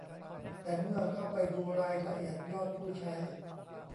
แต่เมื่อเข้าไปดูรายละเอียดยอดผู้ใช้